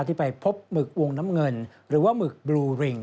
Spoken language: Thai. ที่ไปพบหมึกวงน้ำเงินหรือว่าหมึกบลูริง